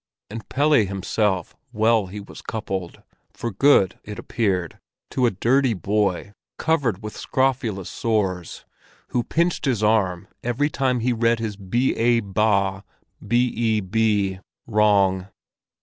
And Pelle himself, well he was coupled—for good, it appeared—to a dirty boy, covered with scrofulous sores, who pinched his arm every time he read his b a—ba, b e—be wrong.